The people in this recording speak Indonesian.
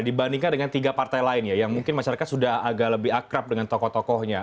dibandingkan dengan tiga partai lain ya yang mungkin masyarakat sudah agak lebih akrab dengan tokoh tokohnya